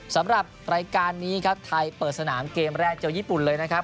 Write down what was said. สำหรับรายการนี้ครับไทยเปิดสนามเกมแรกเจอญี่ปุ่นเลยนะครับ